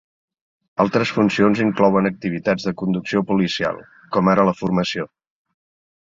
Altres funcions inclouen activitats de conducció policial, com ara la formació.